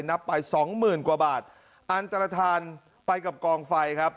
นับไปสองหมื่นกว่าบาทอันตรฐานไปกับกองไฟครับ